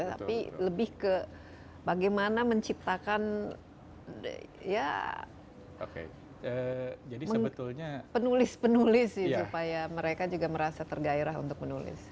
tapi lebih ke bagaimana menciptakan ya penulis penulis supaya mereka juga merasa tergairah untuk menulis